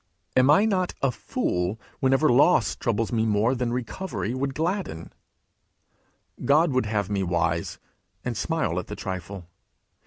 Am I not a fool whenever loss troubles me more than recovery would gladden? God would have me wise, and smile at the trifle.